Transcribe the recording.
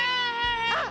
あっ！